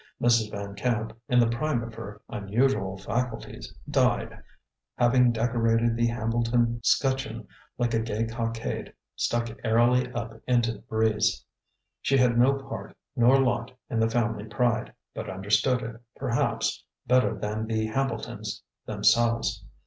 Mrs. Van Camp, in the prime of her unusual faculties, died, having decorated the Hambleton 'scutcheon like a gay cockade stuck airily up into the breeze. She had no part nor lot in the family pride, but understood it, perhaps, better than the Hambletons themselves.